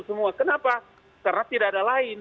semua kenapa karena tidak ada lain